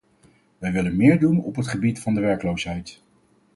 Wij willen meer doen op het gebied van de werkloosheid.